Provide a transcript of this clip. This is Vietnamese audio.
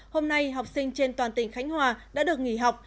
hôm nay học sinh trên toàn tỉnh khánh hòa đã được nghỉ học